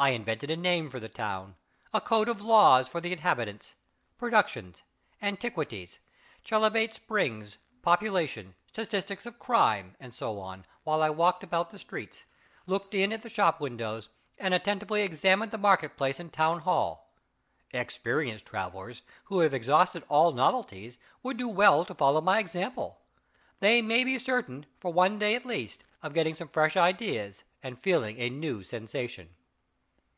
I invented a name for the town, a code of laws for the inhabitants, productions, antiquities, chalybeate springs, population, statistics of crime, and so on, while I walked about the streets, looked in at the shop windows, and attentively examined the Market place and Town hall. Experienced travelers, who have exhausted all novelties, would do well to follow my example; they may be certain, for one day at least, of getting some fresh ideas, and feeling a new sensation.